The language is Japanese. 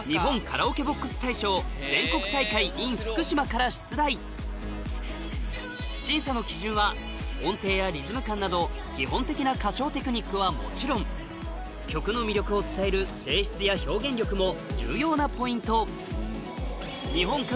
から出題審査の基準は音程やリズム感など基本的な歌唱テクニックはもちろん曲の魅力を伝える声質や表現力も重要なポイント